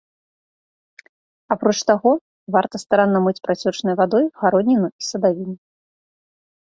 Апроч таго, варта старанна мыць працёчнай вадой гародніну і садавіну.